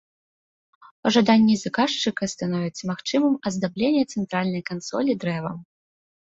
Па жаданні заказчыка становіцца магчымым аздабленне цэнтральнай кансолі дрэвам.